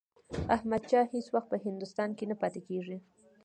احمدشاه هیڅ وخت په هندوستان کې نه پاتېږي.